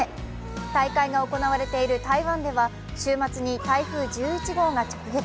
大会が行われている台湾では週末に台風１１号が直撃。